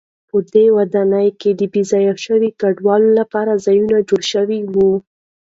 په دې ودانۍ کې د بې ځایه شویو کډوالو لپاره ځایونه جوړ شوي و.